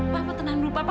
papa tenang dulu papa